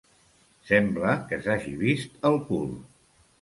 Semblar que s'hagi vist el cul.